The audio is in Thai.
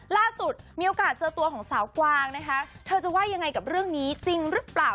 ล่าสุดมีโอกาสเจอตัวของสาวกวางนะคะเธอจะว่ายังไงกับเรื่องนี้จริงหรือเปล่า